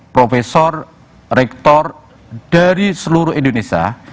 profesor rektor dari seluruh indonesia